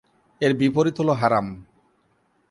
এর বিপরীত হলো হারাম।